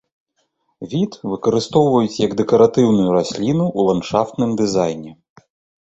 Від выкарыстоўваюць як дэкаратыўную расліну ў ландшафтным дызайне.